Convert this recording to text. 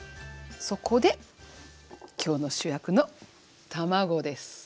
そこで今日の主役の卵です。